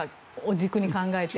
軸に考えて。